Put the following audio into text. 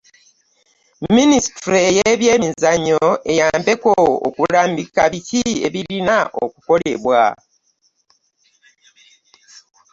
Minisitule y'emizannyo eyambeko okulambiko biki ebirina okukolebwa.